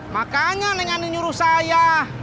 makanya neng ani nyuruh saya